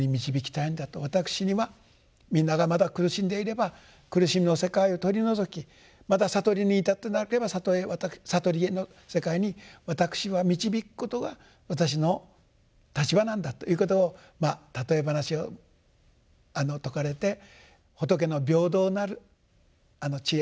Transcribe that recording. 私にはみんながまだ苦しんでいれば苦しみの世界を取り除きまだ悟りに至ってなければ悟りへの世界に私は導くことが私の立場なんだということを譬え話を説かれて仏の平等なる智慧と慈悲。